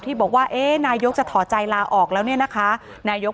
ที่บอกว่าเอ๊ะนายกจะถอดใจลาออกแล้วเนี่ยนะคะนายก